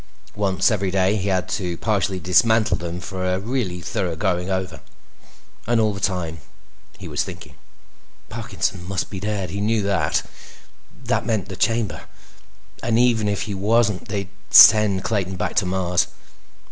Once every day, he had to partially dismantle them for a really thorough going over. And all the time, he was thinking. Parkinson must be dead; he knew that. That meant the Chamber. And even if he wasn't, they'd send Clayton back to Mars.